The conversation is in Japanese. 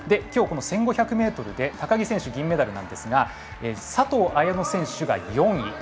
きょう、この１５００ｍで高木選手、銀メダルなんですが佐藤綾乃選手が４位。